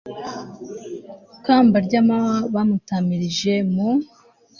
kamba ry'amahwa, bamutamirije mu